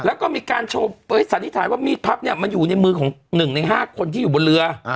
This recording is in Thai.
แล้วก็มีการสันนิษฐานว่ามีดพับมันอยู่ในมือของหนึ่งในห้าคนที่อยู่บนเรือ